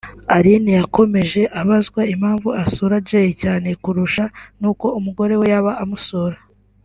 Aline yakomeje abazwa impamvu asura Jay Cyane kurusha nuko umugore we yaba amusura